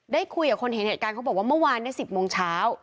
ได้คุยกับคนเห็นเหตุการณ์เขาบอกว่าเมื่อวาน๑๐โมงเช้า